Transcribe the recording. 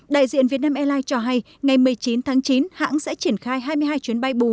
đại diện việt nam airlines cho hay ngày một mươi chín tháng chín hãng sẽ triển khai hai mươi hai chuyến bay bù